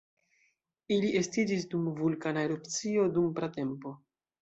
Ili estiĝis dum vulkana erupcio dum pratempo.